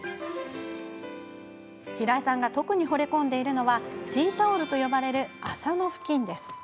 平井さんが特に、ほれ込んでいるのはティータオルと呼ばれる麻のふきん。